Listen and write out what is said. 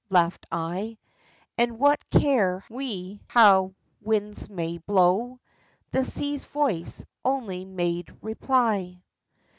" laughed I ;" And what care we how winds may blow ?" The Sea's voice only made reply.